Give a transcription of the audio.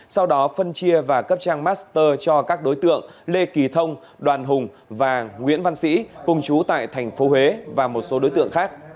sau đó phân chia và cấp trang master cho các đối tượng lê kỳ thông đoàn hùng và nguyễn văn sĩ cùng chú tại tp huế và một số đối tượng khác